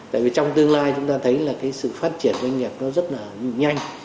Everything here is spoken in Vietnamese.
tại vì trong tương lai chúng ta thấy là cái sự phát triển doanh nghiệp nó rất là nhanh